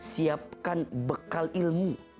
siapkan bekal ilmu